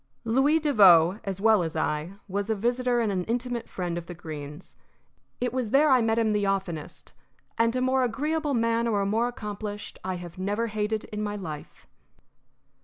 Louis Devoe, as well as I, was a visitor and an intimate friend of the Greenes. It was there I met him the oftenest, and a more agreeable man or a more accomplished I have never hated in my life.